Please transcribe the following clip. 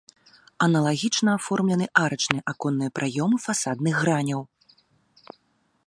Аналагічна аформлены арачныя аконныя праёмы фасадных граняў.